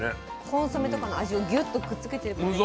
コンソメとかの味をギュッとくっつけてる感じですか。